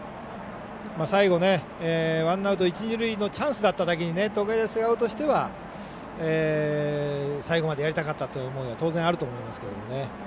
最後、ワンアウト、一塁二塁のチャンスだっただけに東海大菅生としては最後までやりたかったという思いも当然あると思いますけど。